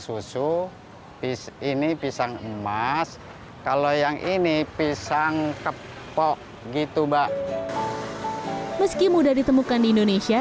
susu bis ini pisang emas kalau yang ini pisang kepo gitu mbak meski mudah ditemukan di indonesia